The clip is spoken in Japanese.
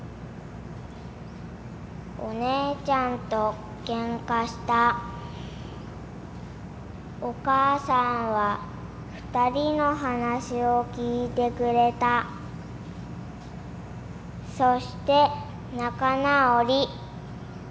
おねえちゃんとけんかしたおかあさんは、二人の話を聞いてくれたそして仲なおり